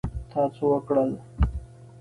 تا څه وکړل؟